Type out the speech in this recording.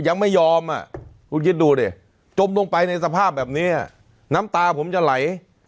ยังไม่ยอมอ่ะคุณคิดดูดิจมลงไปในสภาพแบบนี้น้ำตาผมจะไหล